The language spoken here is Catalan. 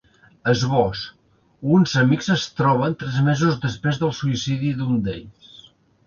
Esbós: Uns amics es troben tres mesos després del suïcidi d’un d’ells.